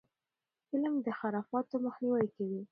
علم د خرافاتو مخنیوی کوي.